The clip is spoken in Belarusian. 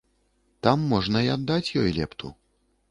Там можна і аддаць ёй лепту.